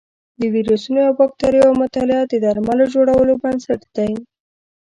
د ویروسونو او بکتریاوو مطالعه د درملو جوړولو بنسټ دی.